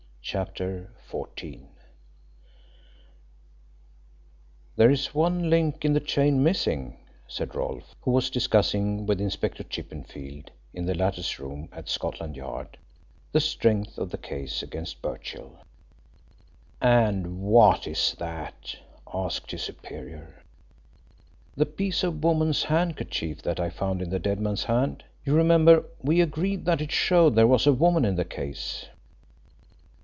CHAPTER XIV "There is one link in the chain missing," said Rolfe, who was discussing with Inspector Chippenfield, in the latter's room at Scotland Yard, the strength of the case against Birchill. "And what is that?" asked his superior. "The piece of woman's handkerchief that I found in the dead man's hand. You remember we agreed that it showed there was a woman in the case."